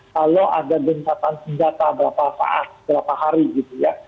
kalau ada gencatan senjata berapa saat berapa hari gitu ya